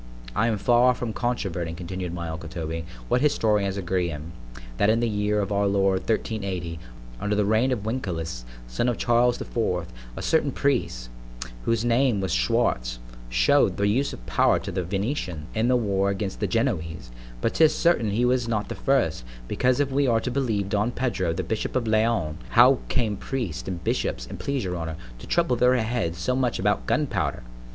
I am far from controverting, continued my uncle Toby, what historians agree in, that in the year of our Lord 1380, under the reign of Wencelaus, son of Charles the Fourth——a certain priest, whose name was Schwartz, shew'd the use of powder to the Venetians, in their wars against the Genoese; but 'tis certain he was not the first; because if we are to believe Don Pedro, the bishop of Leon—How came priests and bishops, an' please your honour, to trouble their heads so much about gun powder?